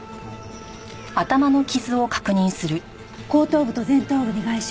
後頭部と前頭部に外傷。